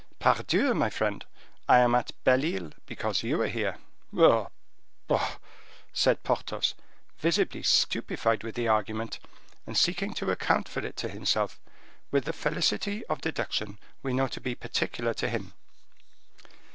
"Pardieu! my friend, I am at Belle Isle because you are here." "Ah, bah!" said Porthos, visibly stupefied with the argument and seeking to account for it to himself, with the felicity of deduction we know to be particular to him.